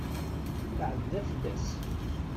Tɛedda fell-as.